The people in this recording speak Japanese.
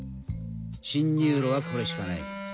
侵入路はこれしかない。